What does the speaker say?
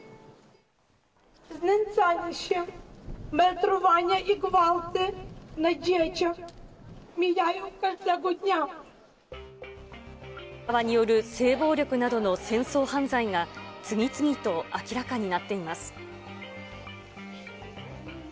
今、ロシア側による性暴力などの戦争犯罪が次々と明らかになっています。